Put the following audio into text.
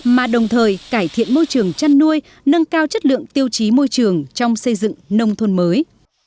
mà đồng thời cải thiện môi trường chăn nuôi nâng cao chất lượng tiêu chí môi trường trong xây dựng nông thôn mới